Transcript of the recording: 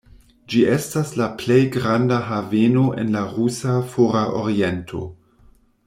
Ĝi estas la plej granda haveno en la rusa Fora Oriento.